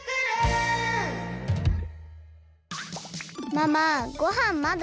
ママごはんまだ？